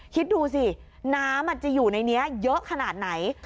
คิดดูสิน้ำจะอยู่ในนี้เยอะขนาดไหน